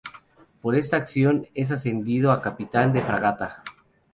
Por esta acción es ascendido a capitán de fragata.